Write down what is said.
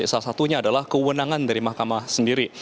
salah satunya adalah kewenangan dari mahkamah sendiri